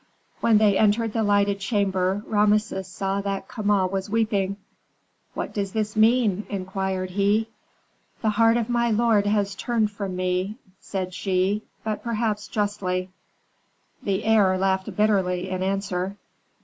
When they entered the lighted chamber, Rameses saw that Kama was weeping. "What does this mean?" inquired he. "The heart of my lord has turned from me," said she; "but perhaps justly." The heir laughed bitterly in answer.